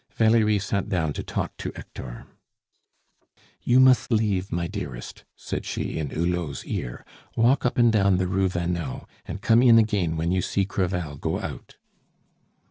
Valerie sat down to talk to Hector. "You must leave, my dearest," said she in Hulot's ear. "Walk up and down the Rue Vanneau, and come in again when you see Crevel go out."